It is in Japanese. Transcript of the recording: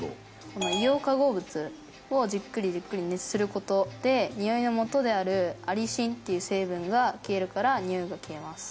この硫黄化合物をじっくりじっくり熱する事でにおいのもとであるアリシンっていう成分が消えるからにおいが消えます。